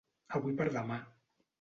Avui per demà.